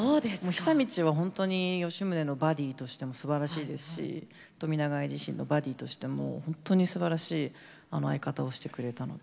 久通は本当に吉宗のバディとしてもすばらしいですし冨永愛自身のバディとしても本当にすばらしい相方をしてくれたので。